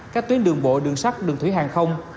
các tuyến đường bộ đường sắt đường thủy hàng không